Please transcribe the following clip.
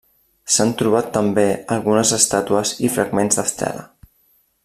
S'han trobat també algunes estàtues i fragments d'estela.